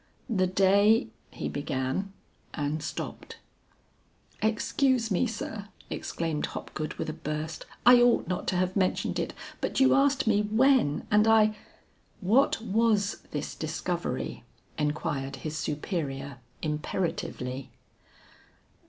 "The day " he began, and stopped. "Excuse me, sir," exclaimed Hopgood with a burst. "I ought not to have mentioned it, but you asked me when, and I " "What was this discovery?" inquired his superior, imperatively.